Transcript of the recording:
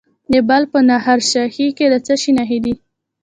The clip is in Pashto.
د بلخ په نهر شاهي کې د څه شي نښې دي؟